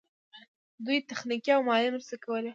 دوی تخنیکي او مالي مرستې کولې.